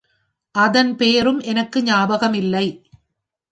அதன் பெயரும் எனக்கு ஞாபகமில்லை.